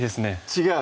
違う？